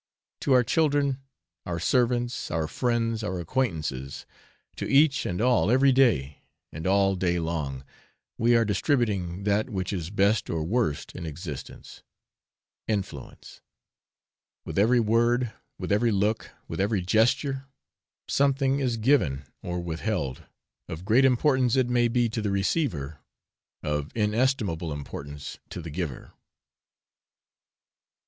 To our children, our servants, our friends, our acquaintances, to each and all every day, and all day long, we are distributing that which is best or worst in existence, influence: with every word, with every look, with every gesture, something is given or withheld of great importance it may be to the receiver, of inestimable importance to the giver.